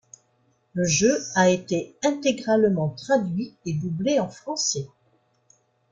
Le jeu a été intégralement traduit et doublé en français.